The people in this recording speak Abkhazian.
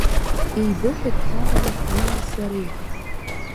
Еибыҳәатә ҳамамызт уии сареи.